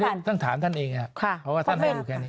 อันนี้ต้องถามท่านเองค่ะเพราะว่าท่านพออยู่แค่นี้